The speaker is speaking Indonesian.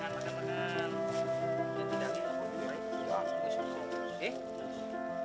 aku yang mulai